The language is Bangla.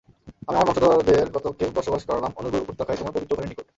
আমি আমার বংশধরদের কতককে বসবাস করালাম অনুর্বর উপত্যকায় তোমার পবিত্র ঘরের নিকট।